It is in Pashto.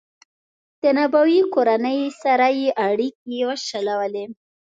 د نبوي کورنۍ سره یې اړیکې وشلولې.